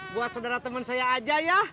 buat saudara teman saya aja ya